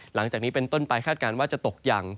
หลังจากนี้เป็นต้นไปคาดการณ์ว่าจะตกอย่าง